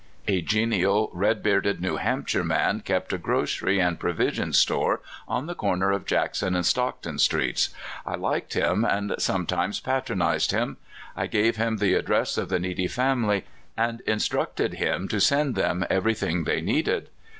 A genial, reJ bearded Kew Hampshire man kept a grocery and provision store on the corner of Jackson and Stock ton streets. I liked him, and sometimes patron ized him. I gave him the address of the needy family, and instructed him to send them every thing they needed.